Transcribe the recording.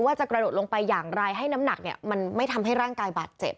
ว่าจะกระโดดลงไปอย่างไรให้น้ำหนักเนี่ยมันไม่ทำให้ร่างกายบาดเจ็บ